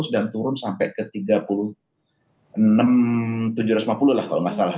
dan turun sampai ke tiga puluh enam tujuh ratus lima puluh kaki kalau tidak salah